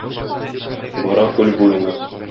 Бара күл буена.